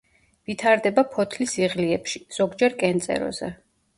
ვითარდება ფოთლის იღლიებში, ზოგჯერ კენწეროზე.